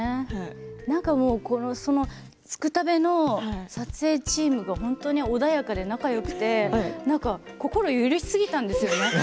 何か「つくたべ」の撮影チームが本当に穏やかで仲よくて心許しすぎたんですよね。